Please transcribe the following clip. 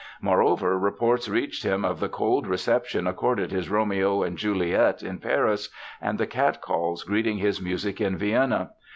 Moreover, reports reached him of the cold reception accorded his Romeo and Juliet in Paris and the catcalls greeting his music in Vienna.